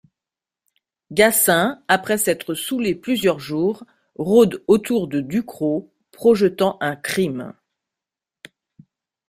Gassin, après s'être saoulé plusieurs jours, rôde autour de Ducrau, projetant un crime.